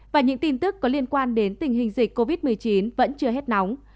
và những tin tức có liên quan đến tình hình dịch covid một mươi chín vẫn chưa hết nóng